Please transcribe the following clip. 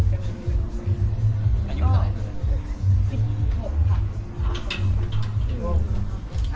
อายุไหนสิบหกค่ะค่ะขอบคุณครับ